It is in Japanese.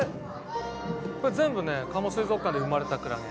これ全部ね加茂水族館で生まれたクラゲ。